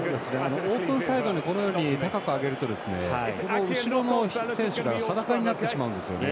オープンサイドにこのように高く上げると後ろの選手が裸になってしまうんですね。